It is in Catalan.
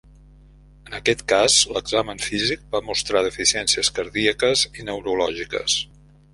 En aquest cas l'examen físic va mostrar deficiències cardíaques i neurològiques.